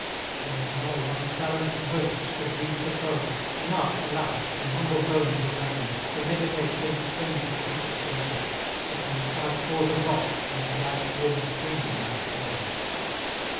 Though now one phalanxed host should meet the foe, Enough, alas, in humble homes remain, To meditate 'gainst friends the secret blow, For some slight cause of wrath, whence life's warm stream must flow.